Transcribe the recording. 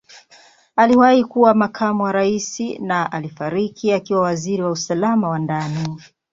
Aliwahi kuwa Makamu wa Rais na alifariki akiwa Waziri wa Usalama wa Ndani.